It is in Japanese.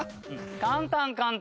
簡単簡単。